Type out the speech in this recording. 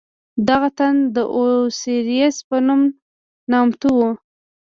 دغه تن د اوسیریس په نوم نامتوو.